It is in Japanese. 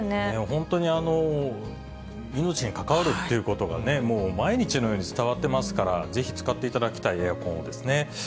本当に、命に関わるっていうことがね、もう毎日のように伝わってますから、ぜひ使っていただきたい、エアコンをですね。